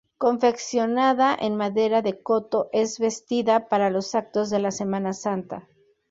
Confeccionada en madera de koto es vestida para los actos de la Semana Santa.